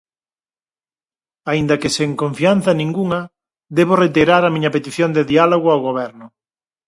Aínda que sen confianza ningunha, debo reiterar a miña petición de diálogo ao Goberno.